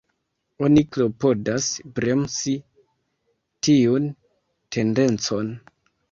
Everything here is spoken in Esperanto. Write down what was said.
Oni klopodas bremsi tiun tendencon.